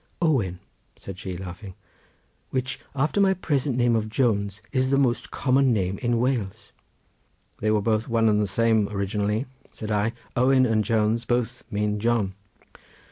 "Owen," said she laughing, "which after my present name of Jones is the most common name in Wales." "They were both one and the same originally," said I, "Owen and Jones both mean John."